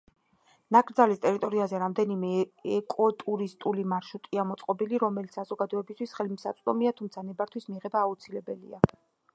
ნაკრძალის ტერიტორიაზე რამდენიმე „ეკოტურისტული მარშრუტია“ მოწყობილი, რომელიც საზოგადოებისთვის ხელმისაწვდომია, თუმცა ნებართვის მიღება აუცილებელია.